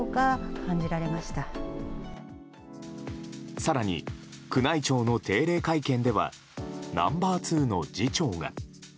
更に、宮内庁の定例会見ではナンバー２の次長が。